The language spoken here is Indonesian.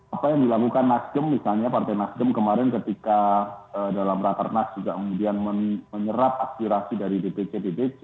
apa yang dilakukan nasjid misalnya partai nasjid kemarin ketika dalam ratar nasjid juga kemudian menyerap aspirasi dari dpc dpc